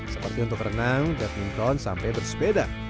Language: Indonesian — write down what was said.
seperti untuk renang badminton sampai bersepeda